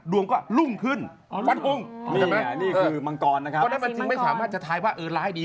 ดวงก็ลุ่มขึ้นฟันธุงนี่คือมังกรนะครับก็นั่นจริงไม่สามารถจะทายว่าร้ายดี